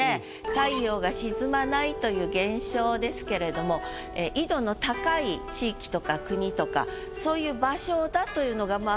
太陽が沈まないという現象ですけれども緯度の高い地域とか国とかそういう場所だというのがまあ